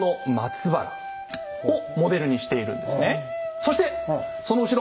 そしてその後ろ。